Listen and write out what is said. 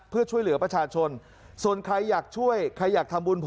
เพื่อช่วยเหลือประชาชนส่วนใครอยากช่วยใครอยากทำบุญ